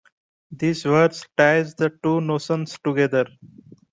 This verse ties the two notions together.